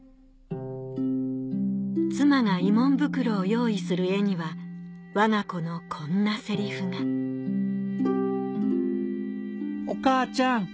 妻が慰問袋を用意する絵にはわが子のこんなセリフが「お母ちゃん